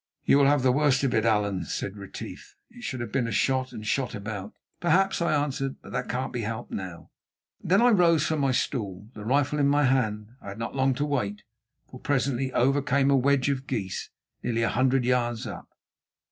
"You will have the worst of it, Allan," said Retief. "It should have been shot and shot about." "Perhaps," I answered, "but that can't be helped now." Then I rose from my stool, the rifle in my hand. I had not long to wait, for presently over came a wedge of geese nearly a hundred yards up.